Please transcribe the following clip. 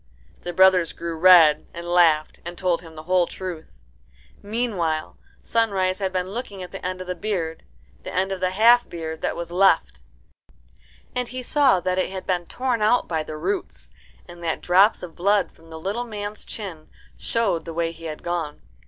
The brothers grew red, and laughed, and told him the whole truth. Meanwhile Sunrise had been looking at the end of the beard, the end of the half beard that was left, and he saw that it had been torn out by the roots, and that drops of blood from the little man's chin showed the way he had gone.